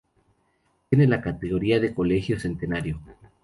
Tiene la categoría de Colegio Centenario.